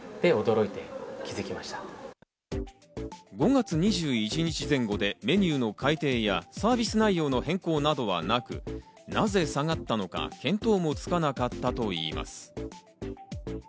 ５月２１日前後でメニューの改訂やサービス内容の変更などはなく、なぜ下がったのか見当もつかなかったといいます。